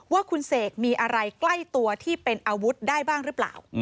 ว่าคุณเสกมีอะไรใกล้ตัวที่เป็นอาวุธได้บ้างหรือเปล่า